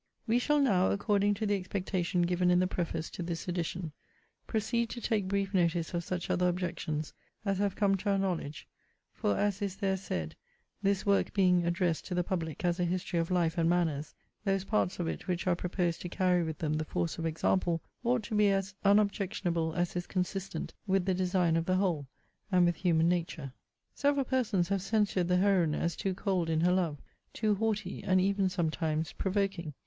We shall now, according to the expectation given in the Preface to this edition, proceed to take brief notice of such other objections as have come to our knowledge: for, as is there said, 'This work being addressed to the public as a history of life and manners, those parts of it which are proposed to carry with them the force of example, ought to be as unobjectionable as is consistent with the design of the whole, and with human nature.' Several persons have censured the heroine as too cold in her love, too haughty, and even sometimes provoking.